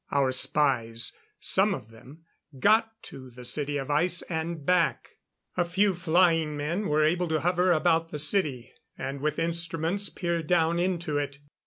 Our spies, some of them, got to the City of Ice, and back. A few flying men were able to hover about the city, and with instruments peer down into it.